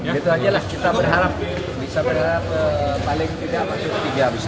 itu aja lah kita berharap bisa berharap paling tidak masuk ketiga